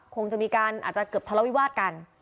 คงจะมีการอาจจะเกือบทะเลาวิวาสกัน